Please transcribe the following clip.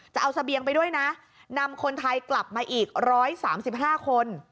จะเอาเสบียงไปด้วยนะนำคนไทยกลับมาอีก๑๓๕คน